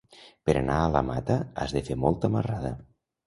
Per anar a la Mata has de fer molta marrada.